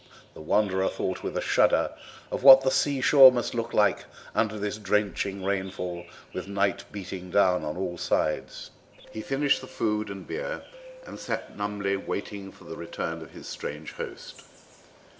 The wanderer thought with a shudder of what the sea shore must look like under this drenching rainfall, with night beating down on all sides. He finished the food and beer and sat numbly waiting for the return of his strange host.